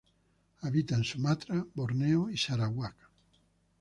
Habita en Sumatra, Borneo, Sarawak.